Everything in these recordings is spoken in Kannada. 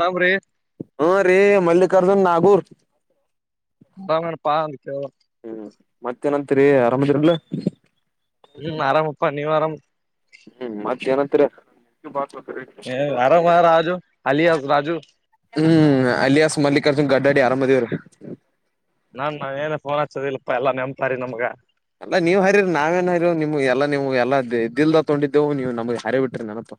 ತಂಬ್ರೀ ಹಾ ರೇ ಮಲ್ಲಿಕಾರ್ಜುನ್ ನಾಗೂರ್ [inaudible] ಬಮ್ಮನ್ ಪಾಂತ ಕೆ ಮತ್ತೇಏನತ್ರಿ ಆರಾಮದ್ರಲ್ ಹ್ಮ್ ಆರಾಮಪ್ಪಾ ನೀವ್ ಆರಾಮ್ ಹ್ಮ್ ಮತ್ತ ಏನತ್ರ [unintelligible] ಆರಾಮ ರಾಜು ಅಲಿಯಾಸ್ ರಾಜು ಹ್ಮ್ ಅಲಿಯಾಸ್ ಮಲ್ಲಿಕಾರ್ಜುನ್ ಗಡ್ಡ ಎ ಅರಾಮ ಅದಿವ್ರಿ. ನಾನ್ ಏನ ಫೋನ್ ಹಚ್ಚದಲ್ಪಾ ಎಲ್ಲಾ ನೆನ್ಪ್ಹಾರಿ ನಮ್ಗ. ಎಲ್ಲಾ ನೀವ್ ಹರಿರರಿ ನಾವೇನ್ ಹರಿವು ನಿಮ್ಗೆ ಎಲ್ಲಾ ನೀವು ಎಲ್ಲ ದಿಲ್ದ ತೊಂಡಿದ್ದೆವು ನೀವು ನಮ್ಗ್ ಹಾರಿ ಬಿಟ್ರಿ ನನಪ.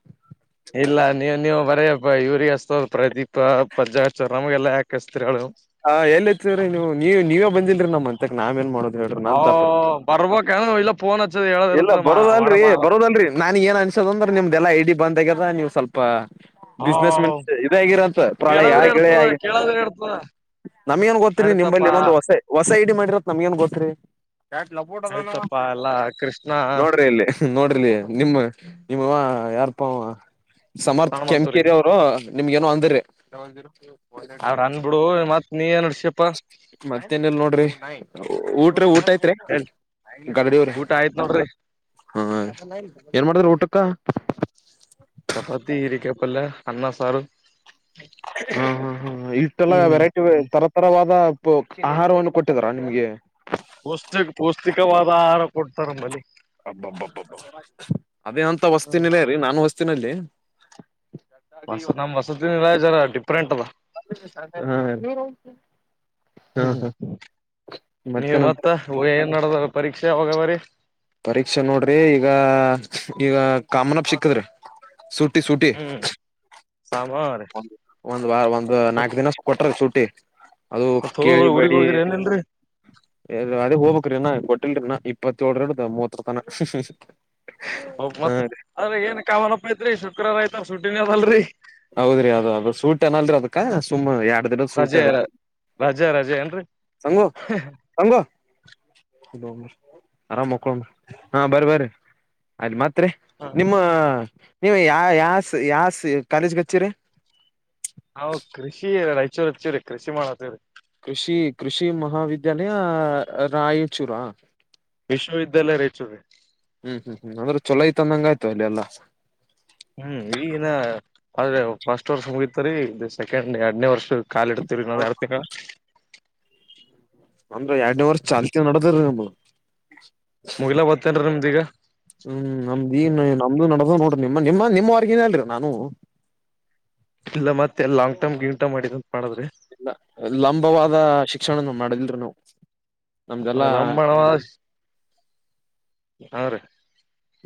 ಇಲ್ಲಾ ನೀವ ನೀವ ಬರೆ ಯೂರಿಯಸ್. ಸೋ ಪ್ರದೀಪಾ ಪಜ್ಜಾಚರ್ ನಮ್ಗ ಎಲ್ಲಾ ಯಾಕಸ್ತತಿರರೆಳ್ ನೀವ್. ಹಾ ಎಲ್ಲಿ ಎತ್ತೀವ್ರೀ ನೀವು ನೀ ನೀವೇ ಬಂದಿಲ್ರರಿ ನಮ್ಮ್ ಅಂತಕ್ ನಾವ ಏನ್ ಮಾಡೋದ. ಹೇಳ್ರಿ ಹ ನನ್ ತಪ್ರಿ ಬರ್ಬಕನು ಇಲ್ಲ ಫೋನ್ ಹಚ್ಚದ ಹೇಳದ ಇಲ್ಲ ಇರ್ತದ ಬರೋದಲ್ರರಿ ಮಾಡಮ್ಮ ಬರೋದಲ್ರರಿ ನಾನ ಏನ್ ಅನ್ಸದ ಅಂದ್ರ ನಿಮ್ದ ಎಲ್ಲಾ ಐ ಡಿ ಬಂದ ಆಗ್ಯದ. ಅದ ನೀವ್ ಸ್ವಲ್ಪಾ. ಬಿಸ್ನೆಸ್ ಮನ್ ಇದಾಗಿರಂತ ಪ್ರಳಯಾ ಕೇಳದ್ರೆ ಗೆಳ್ ಇರ್ತದ ಕೇಳದ್ರೆ ಇರ್ತದ ನಮ್ಗಏನ್ ಗೊತ್ತಿರಿ ನಿಮಲ್ಲಿ ನಡಿತಪ್ಪಾ ಇನ್ನೊಂದು ಹೊಸೆ ಹೊಸ್ ಸೈಡ್ ಮಾಡಿರತ್ ನಮ್ಗಏನ್ ಗೋತ್ರಿ. ಯಾಕ್ ಲಬುಟ್ ಅದಾನ್ ಅವಾ ನಡಿತಪ್ಪಾ ಎಲ್ಲಾ ಕೃಷ್ಣ ನೋಡ್ರಿ ಇಲ್ಲಿ ನೋಡ್ರಿಲಿ ನಿಮ್ಮ ನಿಮ್ಮವಾ ಯಾರ್ಪ ಅವಾ. ಸಮರ್ಥ ಸಣಮಂತೂರಿ ಕೆಂಕೇರಿ ಅವರು. ನಿಮ್ಗೆನೋ ಅಂದರಿ. ಒಡೆಟ್ಲು. ನೋಡು ಮತ್ ನೀ ಏನ್ ನಡಿಸಿಪಾ. ಊ ಟ್ರ ಊಟ ಐತ್ರಿ ಗಾಡಿವ್ರ ಊಟ ಆಯ್ತ್ ನೋಡ್ರಿ ಹ ಏನ್ ಮಾಡಿದ್ರ ಊಟಕ್ಕ. ಚಪಾತಿ ಇರಿಕಾಯಿ ಪಲ್ಯಾ ಅನ್ನಾ ಸಾರು. ಹ ಹಾ ಹ ಇಷ್ಟೆಲ್ಲ ಹ್ಮ್ ವೆರೈಟಿ ಹ್ಮ್ ತರ ತರವಾದ. ಪ ಆಹಾರವನ್ನು ಕೊಟ್ಟಿದಾರಾ ನಿಮ್ಗೆ. ಬುಷ್ಟೆಡ್ ಪೌಷ್ಟಿಕವಾದ ಆಹಾರ ಕೊಡ್ತಾರಂಬಲ್ಲಿ. ಹಬ್ಬಬ್ಬಬ ಅದೇ ಅಂತ ವಸ್ತಿನಿಲ್ಲೇ ರೀ ನಾನುಸ್ ತ್ತಿನಲ್ಲಿ. ಹೊಸ ನಮ್ ಹೊಸದಿನರಾಯ ಜರ ಟ ಹಾ ಹಾ ಹ್ಮ್ ಹಾ ಮತ್ತೆನಂತೀರಾ. ನಡದಾರ ಪರೀಕ್ಷೆ ಯಾವಾಗ ಅವರಿ. ಪರೀಕ್ಷೆ ನೋಡ್ರಿ ಈಗ ಈಗ ಕಾಮನ್ ಅಪ್ ಸಿಕ್ಕದ್ರಿ ಸು ಸೂಟಿ ಹ್ಮ್ ಸಾಮಾರಿ ಒಂದ್ ವಾರ್ ಒಂದು ನಾಲ್ಕು ದಿನ ಕೊಟ್ರ ಸುಟಿ ಟ್ಟೆ. ಅದು ಮತ್ ಊರಿಗ್ ಕೇಳಿಬೇಡಿ ಹೋಗಿರಿ ಏನ್ಲ್ರರಿ ಎದು ಅದೇ ಹೋಗ್ಬೇಕ್ರಿ ಇನ್ನಾ ಕೊಟ್ [unintelligible] ಇಪ್ಪತ್ಯೋಳರದು ದ ಮೂವತ್ರುಪಾನ ಹೋಗ್ಬತ್ತ್ ಅದ್ರೆ ಏನ್ ಕಾಮನಪ್ಪ ಐತ್ರಿ ಶುಕ್ರವಾರ ಆಯ್ತು ಸುಟ್ಟಿನ ಅದಲ್ರಿ. ಹೌದ್ರಿ ಅದ್ ಅದು ಸೂಟ್ ಅನ್ನಲ್ರಿ ಅದಕ ಸುಮ್ಮ್ ಯಾ ರಜೆ ರಜೆ ರಜೆ ಏನ್ರಿ? ಸಂಗು ಸಂಗು [unintelligible] ಆರಾಮ್ ಮಕ್ಕೊಮ ಹಾ ಬರಿ ಬರಿ ಆಯ್ತು ಮತ್ತ್ ತ್ರಿ ನಿಮ್ಮ ನೀವು ಯ ಯಾಸ್ ಯಾಸು ಕಾಲೇಜ್ಗಚ್ಚಿರಿ. ಅವ್ರ್ ಕೃಷಿ [unintelligible] ಚೂರ್ ಚುರಿ ಕೃಷಿ ಮಾಡತ್ತೀವ್ರಿ. ಕೃಷಿ ಕೃಷಿ ಮಹಾವಿದ್ಯಾಲಯ ರಾಯಚೂರಾ? ವಿಶ್ವವಿದ್ಯಾಲಯ ರಯ್ಚೂರಿ. ಹ್ಮ್ ಹ್ಮ್ ಹ್ಮ್ ಅಂದ್ರೆ ಚೊಲೋ ಐತಂದಂಗಾಯ್ತು ಅಲ್ಲಿ ಎಲ್ಲ. ಹ್ಮ್ ಈಗಿನ್ನ ಆದ್ರೆ ಫಸ್ಟ್ ವರ್ಷ ಮುಗಿತರಿ ಇದು ಸೆಕೆಂಡ್ ಎರಡ್ನೇ ವರ್ಷ ಕಾಲಿಡ್ತಿವಿ ಹ ನೋಡ್ [unintelligible] ಅಂದ್ರ ಎರಡ್ನೇ ವರ್ಷ ಚಾಲ್ತಿ ನಡದ್ರೀ ನಾಮು ಮುಗಿಲ ಬತ್ತೇನ್ರಿ ನಿಮ್ದ ಈಗ ಹ್ಮ್ ನಮ್ದೀನ್ ನಮ್ದು ನಡದವ್ ನೋಡಿ ನಿಮ್ಮ ನಿಮ್ಮ ನಿಮ್ಮವಾರ್ಗಿನ ಅಲ್ರಿ ನಾನೂ. ಇಲ್ಲ ಮತ್ತೆ ಎ ಲಾಂಗ್ ಟರ್ಮ್ ಗಿಂಗ್ ಟರ್ಮ್ ಮಾಡಿದನ್. ಇಲ್ಲ ಲಂಬವಾದ ಶಿಕ್ಷಣ ನ ಮಾಡದಿಲ್ರಿ ನಾವ್. ಅದು ಲಂಬನವಾಸ್ ಹ ರೀ.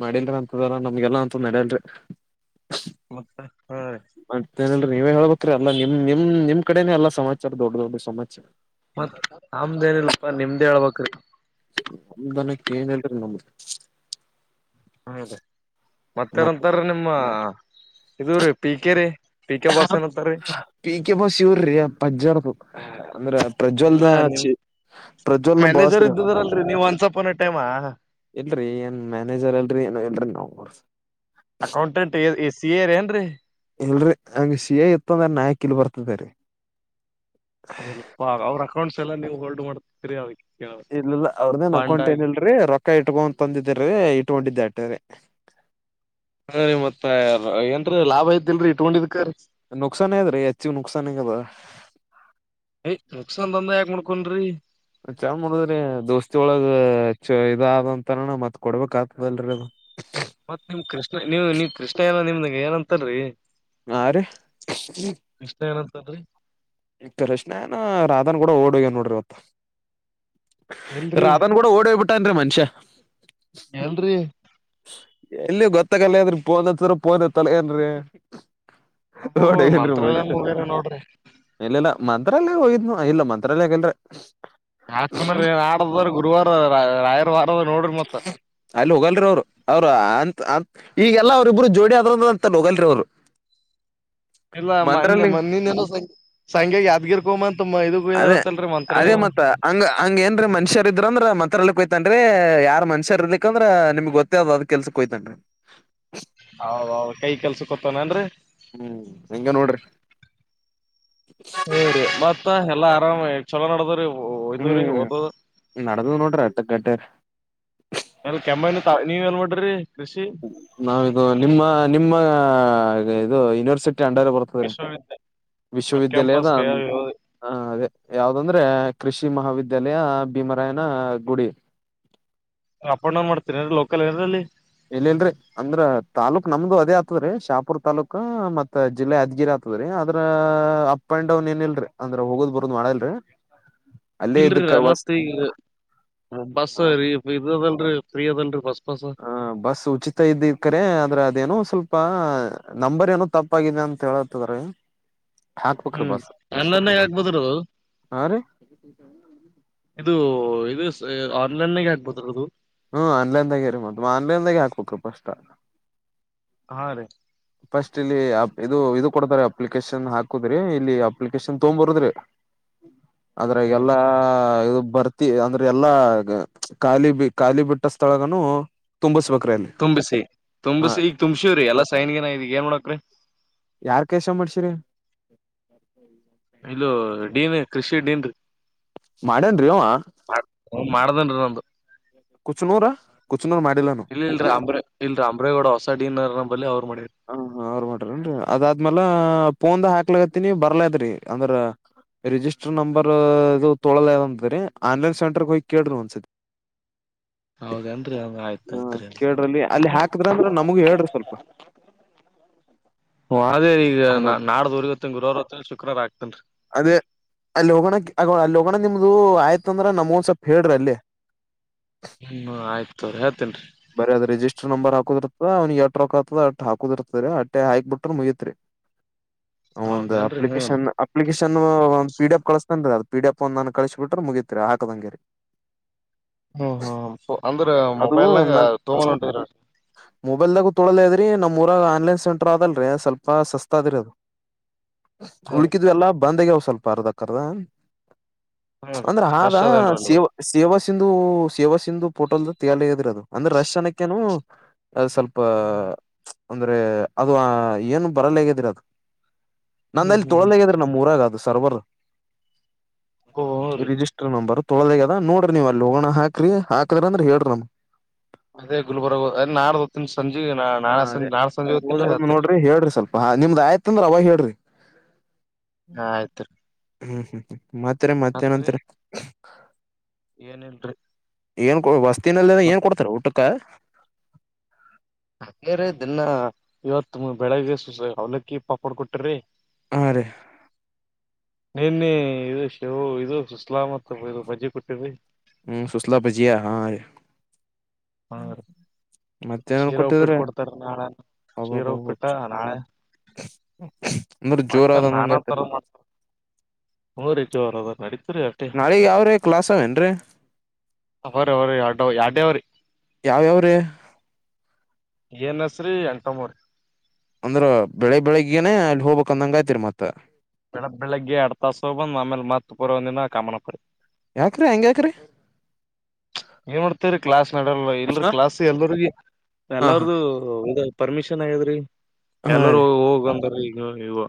ಮಾಡಿಲ್ರಿ ಅಂತದೆಲ್ಲ ನಮ್ಗೆಲ್ಲಾ ಅಂತದ್ ನಡ್ಯಲ್ರಿ. ಮತ್ತೆ ಹ [unintelligible] ತ್ತೇನಿಲ್ರಿ ನೀವೇ ಹೇಳ್ಬೇಕ್ರಿ ಎಲ್ಲ ನಿಮ್ ನಿಮ್ ನಿಮ್ಮ್ಕಡೆೇನೆ ಎಲ್ಲಾ ಸಮಾಚಾರ ದೊಡ್ಡ ದೊಡ್ಡ ಸಮಾಚ್ ಮತ್ ಆಮ್ದ ಏನಿಲ್ಪಾ ನಿಮ್ದೇ ಹೇಳ್ಬೇಕ್ರಿ. ನಮ್ದನಕ್ಕ ಏನಿಲ್ರಿ ನಮ್ದು. ಹೌದ. ಮತ್ ಮತ್ತೆನಂತಾರ್ರಿ ನಿಮ್ಮ. ಇದು ರೀ ಪಿ ಕೆ ರೀ ಪಿ ಕೆ ಬಾಸ್ ಏನಂತಾರೀ ಪಿ ಕೆ ಬಾಸ್ ಇವ್ರ್ರಿ ಅಜ್ಜರ್ದು. ಅಂದ್ರ ಇಲ್ಲ ಪ್ರಜ್ವಲ್ನ ನಿಮ್ ಚಿ ಪ್ರಜ್ವಲ್ನ ಮ್ಯಾನೇಜರ್ ಬಾಸ್ರಿ ಇದ್ದಿದ್ರಲ್ರರಿ ನೀವ್ ಒನ್ಸ್ ಅಪಾನ್ ಎ ಟೈಮ್ ಇಲ್ರಿ ಏನ್ ಮ್ಯಾನೇಜರ್ ಅಲ್ರಿ ಏನು ಇಲ್ರಿ ನಾವ. ಅಕೌಂಟೆಂಟ್ ಎಸ್ ಸಿ ಎರ್ ಏನ್ರೀ. ಇಲ್ರಿ ಹಂಗ ಸಿ ಎ ಇತ್ತಂದ್ರ ನಾಯಕಿಲ್ ಬರ್ತದರಿ. ಎ ಇಲ್ಪಾ ಅವ್ರ. ಕೌಂಟ್ಸ ಎಲ್ಲಾ ನೀವು ಹೋಲ್ಡ್ ಮಾಡ್ತೀರಿ. ಕೇಳ್ ಇಲ್ಲ ಇಲ್ಲಾ ಅವ್ರದೆನ್ ಅಕೊಂಟ ಫಂಡಾಗಿ ಏನ್ ಇಲ್ಲ ಲ್ರೀ ರೊಕ್ಕ ಇಟ್ಕೊಂತಂದಿರಿ ಇಟ್ಕೊಂಡಿದ್ದೆ. ತವೇ. ಹ ರೀ ಮತ್ತ ಏನ್ರೀ ಲಾಭ ಐತಿಲ್ರರಿ ಇಟ್ಕೊಂಡಿದ್ಕರ. ನುಕ್ಸಾನ ಅದ್ರೀ ಹೆಚ್ಚಿ ನುಕ್ಸಾನಂಗ ಏಯ್ ನುಕ್ಸಾನ್ ದಂದ ಯಾಕ ಮಾಡ್ಕೊಂಡ್ರಿ ಅದ ಚ ನೋಡದ್ರಿ ದೋಸ್ತಿ ಒಳಗ ಹೆಚ್ಚ ಇದಾದಂತರ ನ ಮತ್ ಕೊಡ್ಬೇಕ ಆಗ್ತದಲ್ರಿ ಅದು. ಮತ್ ನಿಮ್ ಕೃಷ್ಣ ನೀವು ನೀವ್ ಕೃಷ್ಣ ಎಲ್ಲ ನಿಮ್ದಾಗ ಏನಂತರರಿ. ಆ ರಿ. ಕೃಷ್ಣ ಏನಂತನ್ರಿ ಈ ಕೃಷ್ಣ ಏನೋ ರಾಧನ್ ಗೂಡ ಓಡಿ ಹೋಗ್ಯಾನ ನೋಡ್ರಿ ಅವತ್ತ್. ಎಲ್ರಿ ರಾಧನ್ ಗೂಡ ಓಡೋಗ ಬಿ ಟ ಮನ್ಷ್ಯ. ಎಲ್ರಿ. ಎಲ್ಲಿ ಗೊತ್ತಾಗಲ್ಲ ಆದ್ರ ಪೋನ್ ಹಚ್ಚಿರ ಪೋನ್ ಯತ್ತಲ್ಲಗೇನ್ರಿ. ಅಬ್ಬಾಬಾ ಮಂತ್ರಾಲಯಂ ಹೋಗ್ಯಾರನ ನೋಡ್ರಿ. ಇಲ್ಲೆಲ್ಲಾ ಮಂತ್ರಾಲಯ ಹೋಗಿದ್ನು ಇಲ್ಲಾ ಮಂತ್ರಾಲಯಕ ಇಲ್ರಿ. ಯಾಕ ಆಡಾರ ಗುರುವಾರ. ರಾಯರ ವಾರ್. ಅಲ್ಲಿ ಹೋಗಲ್ರಿ ಅವರ ಅವರ ಅಂತ ಅನ್ ಈಗೆಲ್ಲಾ ಅವ್ರಿಬ್ರು ಜೋಡಿ ಅದ್ರಂದ ಅಂತ ಹೋಗಲ್ರಿ ಅವ್ರು. ಇಲ್ಲಾ ಮನ್ನಿ ಮಂತ್ರಾಲಯ ಮನಿನ್ನೆನು ಸಣ್ ಸಂಗ್ಯಾಗ ಯಾದ್ಗಿರ್ಕೋಮಂತ. ಅದೇ ಅದೇ ಮತ್ತ ಹಂಗ ಹಂಗ ಏನ್ರ ಮನುಷ್ಯರ ಇದ್ರಂದ್ರ ಮತ್ ತ್ರಾಲಯಕ ಹೋಯಿತಾನ್ರೀ ಯಾರ್ ಮನುಷ್ಯ ಇರ್ಲಿಕಂದ್ರ ನಿಮ್ಗ್ ಗೊತ್ತೇ ಅದ ಅದ್ ಕೆಲ್ಸಕ್ ಹೋಯಿತಾನ್ರೀ. ಹೌ ಹೌ ಕೈ ಕೆಲ್ಸ ಕೊತ್ತನರ್ರಿ. ಹ್ಮ್ ಹಿಂಗ ನೋಡ್ರಿ. ಹ್ಹೂರಿ ಮತ್ತ. ತ್ತೋಹ ಎಲ್ಲಾ ಆರಾಮ್ ಇವ್ ಛೊಲೋ ನಡದ್ವರಿ ಇವು. ಹ್ಮ್ ನಡದು ನೋಡ್ರಿ ಅಟ್ಟಕ ಗಟ್ಟರ. ತ್ತಾವ ನೀವ್ ಎಲ್ಲ ನೋಡ್ರಿ. ನಾವ ಇದು ನಿಮ್ಮ ನಿಮ್ಮ. ಹಗ ಇದು ಯೂನರ್ವಸಿಟ್. ಕ್ಕೆ ಅಂಡರ್ ಬರತ್ವರೆ ವಿಶ್ವವಿದ್ಯಾಲಯ ಸಬ್ ವಿಶ್ವವಿದ್ಯಾಲಯದ ಕ್ಯಾಂಪಸ್ ಅನ್ ಹ ಅವೇ ಯಾವ್ದು ಅಂದ್ರೇ ಕೃಷಿ ಮಹಾವಿದ್. ದಲೆಯಾ ಭೀಮರಾಯನ ಗುಡಿ. ಅಪ್ ಅಂಡ ಡೌನ್ ಮಾಡ್ತೀರಿನಲೋಕಲ್ ಎದ್ರಲ್ಲಿ. ಇಲ್ಲೇ ಇಲ್ಲದ್ರಿ ಅಂದ್ರ ತಾಲೂಕ್ ನಮ್ದು ಅದೇ ಆತದ್ರೀ ಶಾಪುರ್ ತಾಲೂಕ ಮತ್ತ ಜಿಲ್ಲಾ ಯಾದಗಿರಿ ಆತದ್ರೀ ಆದ್ರ ಅ ಅ ಅಪ್ ಆಂಡ್ ಡೌನ್ ಏನ ಇಲ್ರರಿ ಅಂದ್ರ ಹೋಗೋದ್ ಬರುದ್ ಮಾಡಲ್ರಿ. ಇಲ್ರಿರ ಮತ್ತು ಈಗ ಬಸ್ಸು ರೀ ಫೀದುದಲ್ರಿ. ಫ್ರೀ ಅದಲ್ರೀ ಬಸ್. ಪಾಸ್ ಹ ಬಸ್ ಉಚಿತ ಇದ್ದಿದ್ ಕರೆ ಆದ್ರ ಅದೇನು ಸ್ವಲ್ಪ. ಪ್ಪಾ ನಂಬರ್ ಏನೋ ತಪ್ಪಾಆಗಿದೆ ಅಂತ ಹೇಳುತದ್ರೇ. ಹಾಕ್ಬೇಕ್ ರೀ ಹ್ಮ್ ಬಸ್ ಆನ್ಲೈನ್ಗ ಹಾಕ್ಬೋದ್ರ ಅದು ಹಾ ರೀ. ಇದು ಯೂನುಸ್ ಎ ಆನ್ಲೈನ್ ನ್ನಿಗೆಹಾಕ್ ಬದರುದು. ಹ್ಮ್ ಆನ್ಲೈನ್ದಾಗೆ ಇರಿಮದ ಮಾ ಆನ್ಲೈನ್ದಾಗೆ ಹಾಕ್ಬೇಕರೀ ಪಸ್ಟಾ. ಹಾ ರೀ. ಫಸ್ಟ್ ಇಲ್ಲಿ ಅಪ್ ಇದು ಇದು ಕೊಡ್ತಾರೆ ಅಪ್ಲಿಕೇಶನ್ ಹಾಕುದ್ರಿ ಇಲ್ಲಿ ಅಪ್ಲಿಕೇಶನ್ ತೊಂಬ ಬರುದ್ರಿ. ಆದ್ರಾಗ ಹ್ಮ್ ಎಲ್ಲಾ ಇವುಬ್. ಬರ್ತಿ ಅಂದ್ರೆ ಎಲ್ಲಾ ಗ ಖಾಲಿ ಬಿ ಖಾಲಿ ಬಿಟ್ಟ ಸ್ಥಳಗನು ತುಂಬುಸಬೇಕ. ತುಂಬಿಸಿ ತುಂಬಸಿ ಈಗ ತುಂಬಶ್ವೆರೀ ಎಲ್ಲಸ. ಟೈನಿಗೆನ ಇದ ಏನ್ ಮಾಡೋಕ್ರೀ. ಯಾರ್ ಕೆಸಅ ಮಾಡ್ಸಿರಿ. ಇಲ್ಲೊ ಡೀ ಎನ್ ಎ ಕ್ರಿಷ್. ತ್ತಿಡೆಂಡ್ರಿ. ಮಾಡ್ಯಾನ್ರಿ ಇವಾ. ಮಾಡದಾನ್ರಿ ನಮ್ದು. ಕುಚನೂರ್ ಮಾಡಿಲ್ಲಾನು ಇಲ್ಲಿ ಇಲ್ ರೀ ಆಂಬ್ರೇ ಇಲ್ರಿ ಆಂಬ್ರೇಗೌಡಾವ ಹೊಸೈಡ್. ಡಿ ನಾರ್ ರಂಬಲ್ಲೆ ಅವ್ರು. ಮಾಡಿರಿ ಹ ಹಾ ಅವ್ರು ಮಾಡ್ರಾನ್ರಿ ಅದಾದ್ಮ್ಯಾಲಾಬ್. ಫೋನ್ದಾಗ ಹಾಕ್ಲತ್ತನಿ ಬರ್ಲದ್ರೀ ಅಂದ್ರ ರಿಜಿಸ್ಟರ್ ನಂಬರ್ ಇದು ತೊಳ್ಯಲಾ ಅವುಂದ್ರಿ ಆನ್ಲೈನ್ ಸೆಂಟರ್ಗೆ ಹೋಗಿ ಕೇಳ್ರಿ ಒಂದ್ಸತಿ. ಹೌದೇನ್ರಿ ಹಂಗ ಆಯ್ತು ಹಾ ಆಯತ್ರಿ ನೋ ಕೇಳ್ರಲ್ಲಿ ಅಲ್ಲಿ [unintelligible] ಹಾಕದ್ರ ಅಂದ್ರ ನಮಗು ಹೇಳ್ರಿ ಸ್ವಲ್ಪ ವಾದೇ ಈಗ ನ ಹಲೋ ನಾಡ್ದೂರ್ಗತ್ತೀನ್ ಗುರುವಾರತ್ತ ಶುಕ್ರವಾರ ಆಗ್ತನ್. ಅದೇ ಅಲ್ಲಿ ಹೋಗಣಕ್ ಆಗ ಅಲ್ಲಿ ಹೋಗಣ ನಿಮ್ದು ಆಯ್ತಂದ್ರ ನಮಗೊಂಸ್ವಲ್ಪ್ ಹೇಳ್ರಿ ಅಲ್ಲೆ. ಹ್ಮ್ ಆಯ್ತ ತೋರಿ ಹೇಳ್ತೇನ್ರಿ ಬರಿ ಅದು ರಿಜಿಸ್ಟರ್ ನಂಬರ್ ಹಾಕುದ್ರು ಬ್ರೊ ಅವ್ನಿಗೆ ಎಟ್ ರೊಕ್ಕಾತದ ಅಟ್ಟ್ ಹಾಕದಿರ್ತರಿ ಅಟ್ಟೆ ಹಾಕ್ ಬಿಟ್ರ ಮುಗಿತ್ರಿ. ಒಂದು ಹೌದೇನ್ರಿ ಹ್ಮ್ ಅಪ್ಲಿಕೇಶನ್ ಒಂದ್ ಪಿ ಡಿ ಎಫ್ ಕಳಿಸ್ತಾನ್ರಿ ಅದು ಪಿ ಡಿ ಎಫ್ ಒಂದ್ ನನಗ್ ಕಳಸ್ಬಿಟ್ರೆ ಮುಗತ್ರಿ ಹಾಕ್ದಂಗೆರಿ. ಹ್ಮ ಹ ಅಂದ್ರೆ ಅದು ಮೊಬೈಲ್ನಂಗ ತಗೊಂಡಟ ಮೊಬೈಲ್ದಾಗ ತೊಳದದ್ರಿ ನಮ್ಮೂರಾಗ ಆನ್ಲೈನ್ ಸೆಂಟರ್ ಆದಲ್ರಿ ಸ್ವಲ್ಪ ಸಸ್ತ ಅದರಿ ಅದು. ಹಾ ಹುಳಿ ರೀ ಬಂದಾಗ್ಯವ್ ಸ್ವಲ್ಪ ಅರ್ದಕರ್ದ ಹಾ ರೀ ಅಂದ್ರ ಆದ ಫ್ರೆಶ್ ಅದೇನ್ರಿ ಅಲ್ಲಿ. ಸೇವ ಸೇವ ತಿಂದೂ ಸೇವಾ ಸಿಂಧು ಪೋರ್ಟಲ್ದು ತಿಯಾಲಿ ಆದ್ರದು. ಅಂದ್ರೆ ರಶ್ನಕೇನು ಅದು ಸ್ವಲ್ಪಾ ಅಂದ್ರೆ ಅದು ಆ ಏನು ಬರಲ್ಲೇಗದಿರದು. ಹ್ಮ್ ನನ್ನಲ್ಲ್ ಹ್ಮ್ ಹ್ಮ್ ತೊಲ್ದಗಿರದ್ ನಮ್ಮೂರಾಗದು. ತರ್ವರು. ಓ ಹ್ಮ್ ರೀ ರಿಜಿಸ್ಟರು ನಂಬರು ತೊಳ್ದಗದ ನೋಡ್ರಿ ನೀವ ಅಲ್ಲಿ ಹೋಗಣ ಹಾಕ್ರಿ ಹಾಕದ್ರ ಅಂದ್ರ ಹೇಳ್ರಿ ನಮ್ಗ. ಅದೇ ಗುಲ್ಬರ್ಗ ಅ ನಾಡ್ದ [unintelligible] ಹಾ ನಾಳೆ ಅದೇ ಸಂಜೆ ನಾಳೆ ಸಂಜೆ ಹೊತ್ತೇನ್ರಿ ಹೋದಾರಂದು ಹತ್ತೇನ್ರಿ ನೋಡ್ರಿ ಹೇಳ್ರಿ ಸ್ವಲ್ಪ ನಿಮ್ದ್ ಆಯ್ತು ಅಂದ್ರ ಅವಾಗ ಹೇಳ್ರಿ. ಆಯ್ತ್ರಿ. ಹ್ಮ್ ಹ್ಮ್ ಹ್ಮ ಮತ್ತ್ರೀ ಮತ್ತೇನಂತರಿ ಹ [inaudible] ಏನಿಲ್ರಿ. ಏನು ಕೊಡ್ ಬಸ್ ತಿನ್ನಲ್ಲ ಅಂದ್ರ್ ಏನ್ ಕೊಡ್ತಾರೆ ಊಟಕ್? ತ್ತ. ಅದೆ ರೀ ದಿನ್ನಾ ಇವತ್ತು ಬೆಳಿಗ್ಗೆ ಸಸಾ ಅವಲಕ್ಕಿ ಪಾಪಡ್ ಕೊಟರೀ. ಹಾ ರೀ. ನಿನ್ನೆ ಇ ಶ ಇದು ಸುಸ್ಲಾ ಮತ್ತು ಇದು ಬಜ್ಜಿ ಕೊಟ್ಟಿರಿ ಹ್ಮ್ ಸುಲ್ಲಾ ಭಜಿಯಾ ಹಾ ರೀ. ಹಾ ರೀ ಮತ್ತೇನನ್ ಶಿರಾ ಉಪ್ಪಿಟ್ಟ ಕೊಟ್ಟಿದ್ರೆ ಕೊಡ್ತಾರ ನಾಳೆ ಶಿರಾ ಅಬ್ಬಬ್ಬ ಉಪ್ಪಿಟ್ಟ ನಾಳೆ. ಅಂದ್ರ ಜೋರ ಮಟ್ಟ ಆದಂದಂಗ ನಾನಾ ಆಯ್ತಲ್ಲ ತರ ಮೂಚರದ ಹೂ ರೀ ಜೋರದ. ಬಾಡಿ. ನಾಳಿಗ ಯಾವ್ರೆ ಕ್ಲಾಸ್ ಅವ್ನ್ರೀ ಅವರಿ ಅವ್ರಿ ಎರಡ್ ಎರಡೇ ಅವ್ರಿ ಯಾವ್ಯಾವ್ರೀ. ಏನ್ಸರಿ ಎಂಟಮ್ಮ್ರ. ಅಂದ್ರ ಬೆಳಿಗ್ ಬೆಳಿಗ್ಗನೆ ಅಲ್ಲಿ ಹೋಗ್ಬೇಕ್ ಅಂದಂಗ ಆಯ್ತಿರಿ ಮತ್ತ. ಬೆಳಗ್ ಬೆಳಗ್ಗೆ ಎಡ್ ತಾಸ ಹೋಗ್ ಬಂದ್ ಆಮೇಲೆ ಮತ್ತ ಪುರಾ ದಿನಾ ಕಾಮನ ಪುರಿ ಯಾಕ್ರಿ ಹಂಗ್ಗ್ಯಾಕ್ರಿ. ಏನ್ ಮಾಡ್ತೇರೀ ಕ್ಲಾಸ್ ನಡಲ್ ಇಲ್ರ ಕ್ಲಾಸ್ ಎಲ್ರಿಗ ಹಾ ಹಾ ಎಲ್ಲಾರದು ಇದ ಪರ್ಮಿಷನ್ ಆಗೆದ್ರೀ. ಹಾ ಎಲ್ಲರು ರೀ ಹೋಗಂದ್ರ ಈ. ನೀವ ನೀವೋ.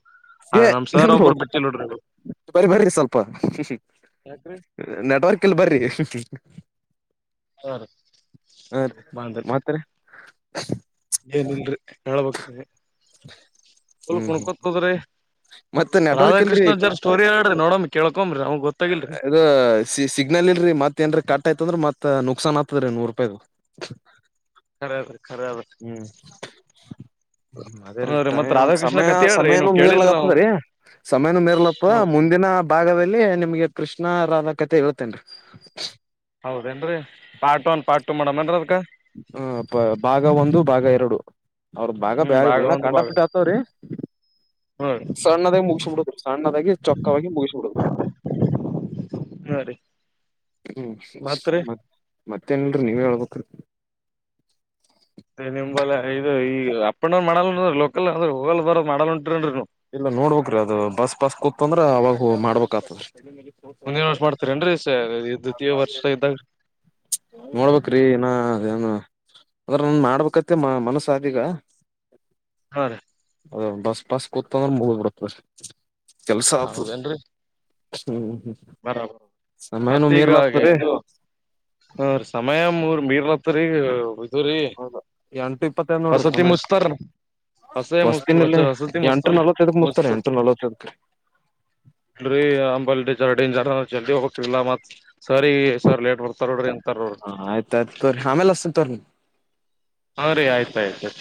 ಏ ನರು ಬರ ಬರ್ರಿ ಸ್ವಲ್ಪ ಯಾಕ್ರಿ ನೆಟ್ವರ್ಕ್ ಇಲ್ ಬರ್ರಿ. ಸರ್ ಹಾ ರೀ ಮತ್ ರೀ. ಹ ಹಂಗೇನ್ ಇಲ್ರಿ ಹೇಳಬೇಕ್ ನೀವೇ. ಲ್ ಹ್ಮ್ ಹ್ಮ್ ಕುಣಕೋತ್ ಕುುದ್ರಿ ಮತ್ ನೆಟ್ವರ್ಕ್ ಇಲ್ರಿ ರಾಧಾಕೃಷ್ಣ ಜರ್ ಸ್ಟೋರಿ ಹೇಳ್ ನೋಡಮ್ ಕೇಳ್ಕೋರಿ ಅವ್ನ್ ಗೊತ್ ಇದ ಸಿ ಸಿಗ್ನಲ್ ಇಲ್ರರಿ ಮತ್ತತ್ ಏನ್ರೀ ಕಾಟ್ ಆಯತಂದ್ರ ಮತ್ ನ ಸನ್ ಆಗ್ತದೆ ರೀ ನೂರು ರೂಪಾಯ್ದ. ಖರೆ ಹೇಳ್ರಿ. ಹ್ಮ್ ಅದೇ ಹಾ ರೀ ಮತ್ ರೀಟೈಮ್ ರಾಧಾಕೃಷ್ಣ ಸಮಯ ಕತಿ ಹೇಳ್ರಿ ಏನು ಸಮಯನೂ ಕೇಳಿಲ್ರಿ ನಾವು ಮೀರ್ಲಕ್ಕಪ್ಪದ್ರೀ ಸಮಯನೂ ಮೀರ್ಲಪ್ಪ ಹೌದ್ ಮುಂದಿನ ಭಾಗದಲ್ಲಿ ನಿಮ್ಗೆ ಕೃಷ್ ನಾ ರಾದಾ ಕತೆ ಹೇಳ್ತೇನ್ರಿ. ಹೌದೇನ್ರೀ ಪಾರ್ಟ್ ಒನ್ ಪಾರ್ಟ್ ಟು ಮಾಡಡಿನ್ರಿ ಅದ್ಕ್. ಹ ಭಾ ಭಾಗ ಒಂದು ಭಾಗ ಎರಡು. ಅವ್ರ ಬಾಗ ಹ್ಮ್ ಬ ಭಾಗ ಏನ ಒಂದು ಕಂಡಾ ಭಾಗ ಬಿಟ್ಟ ಆತವ್ರೀ. ಹ್ಮ್ ಸಣ್ಣದಾಗಿ ಮುಗಿಸಬಿಡುದು ಸಣ್ಣದಾಗಿ ಚೊಕ್ಕವಾಗಿ ಮುಗಿಸ್ಬಿಡುದ್. ಹಾ ರೀ ಹ್ಮ್ ಮತ್ರಿ ಮತ್ ಮತ್ತೇನಿಲ್ರಿ ನೀವ ಹೇಳ್ಬೇಕ್ರೀ. ಸೇ ನಿಂಬಲ್ಲ ಇದು ಈಗ ಅಪ್ ಅಂಡ್ನ್ ಮಾಡಲ್ಲಂ ಲೋಕಲ್ ಹಲ್ರ ಓಲ ಊಬರ್ ಮಾ ಉಂಟು ಇಲ್ಲ ನೋಡ್ಬಕ್ರಿ ಅದು ಬಸ್ ಬಸ್ ಕೂ.. ತೊಂದ್ರೆ ಆವಾಗ್ ಮಾಡ್ಬೇಕಾತದ್ರಿ. ಮುಂದಿನ ವರ್ಷ ಮಾಡ್ತೀರೇನ್ರಿ ದ್ವಿತೀಯ ವರ್ಷ ಇದ್ದಾಗ ನೋಡ್ಬೇಕ್ರಿ ಇನ ಏನು.. ಆದ್ರ ನಾನ್ ಮಾಡಡ್ಬೇಕತ್ತಿ ಮನಸಾದೀಗ. ಹಾ ರೀ. ಅ ಬಸ್ ಪಾಸ್. ಹೊಗ್ [inaudible] ಬರ್ರಿ. ಕೆಲ್ಸ ಆ ಹ್ಮ್. ಬರು. ್ ಸಮಯನು ಮತ್ತ್ ಈಗ ಮೀರ್ಲಾತದ್ರಿ ಇದು ಸಮಯ ಮೂರ್ ಮೀರಲಾತ್ರಿ. ಹೌದಾ ಎಂಟು ಇಪ್ಪತ್ತೈದ್ ನೋಡ್ರಿ ಸಮಯ ಮುಚ್ತಾರ ಹೊಸೇ ಮುಸ್ ಹೊಸ್ತಿನಲ್ಲಿ ವಸತಿ ಎಂಟು ಮುಸ್ತಾನ ನಲ್ವತ್ತೈದಕ್ ಮುಸ್ತಾರ ಮುಚ್ತಲ್ರಿ ಎಂಟು ನಲ್ವತ್ತೈದಕ. ೆ ರ್ಡನ್ ಜನ ಜಲ್ದಿ ಹೋಗ್ತಿಲಿಲ್ಲ ಮತ್ ಸರಿ ಈ ಸರ್ ಲೇಟ್ ಬರ್ತಾರ ನೋಡ್ರಿ. ಅಂತಾರ ಅವ್ರು ಹ ಆಯ್ತಯ್ತು ರಿ ಆಮೇಲೆ ಅಸನ್ ತೋರಿ. ಹುರಿ ಆಯ್ತ ಆಯ್ತು್ತು